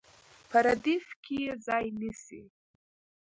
په ردیف کې یې ځای نیسي.